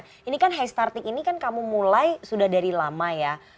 kemudian haystartic ini kan kamu mulai sudah dari lama ya